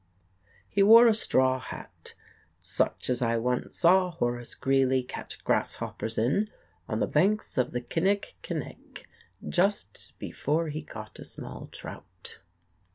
He wore a straw hat, such as I once saw Horace Greeley catch grasshoppers in, on the banks of the Kinnickinnick, just before he caught a small trout.